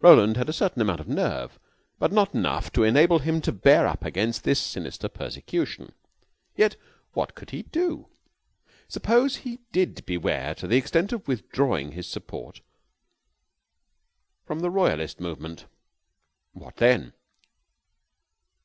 Roland had a certain amount of nerve, but not enough to enable him to bear up against this sinister persecution. Yet what could he do? Suppose he did beware to the extent of withdrawing his support from the royalist movement, what then?